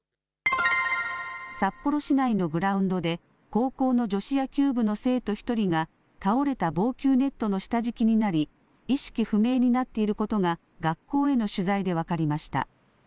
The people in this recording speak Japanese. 札幌市内のグラウンドで高校の女子野球部の生徒１人が倒れた防球ネットの下敷きになり意識不明になっていることが学校への取材で分かりました。